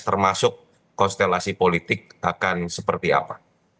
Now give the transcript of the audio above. termasuk konstelasi politik akan seperti apa